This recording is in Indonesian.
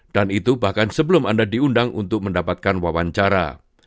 itu bahkan sebelum anda diundang untuk mendapatkan wawancara